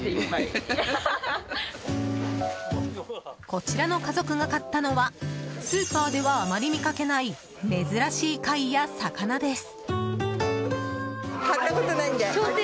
こちらの家族が買ったのはスーパーではあまり見かけない珍しい貝や魚です。